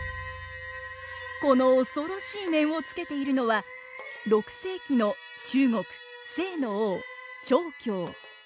この恐ろしい面をつけているのは６世紀の中国斉の王長恭。